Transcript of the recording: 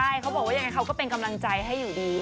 ใช่เขาบอกว่ายังไงเขาก็เป็นกำลังใจให้อยู่ดี